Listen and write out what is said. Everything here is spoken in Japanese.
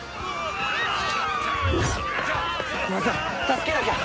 助けなきゃ！